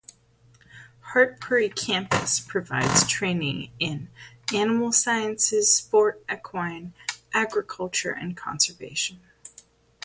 Hartpury Campus provides training in animal sciences, sport, equine, agriculture and conservation.